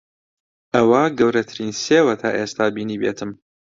ئەوە گەورەترین سێوە تا ئێستا بینیبێتم.